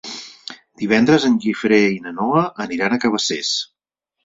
Divendres en Guifré i na Noa aniran a Cabacés.